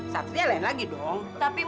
satria lain lagi dong